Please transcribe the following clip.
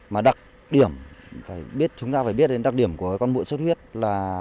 mà đặc điểm chúng ta phải biết đặc điểm của con mũi suất huyết là